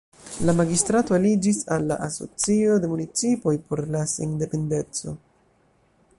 La magistrato aliĝis al la Asocio de Municipoj por la Sendependeco.